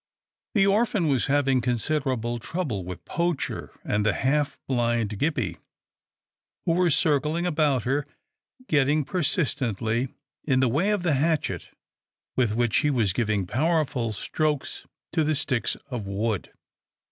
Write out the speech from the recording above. The orphan was having considerable trouble with Poacher and the half blind Gippie, who were cir cling about her, getting persistently in the way of the hatchet with which she was giving powerful strokes to the sticks of wood.